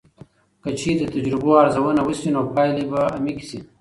که چیرې د تجربو ارزونه وسي، نو پایلې به عمیقې سي.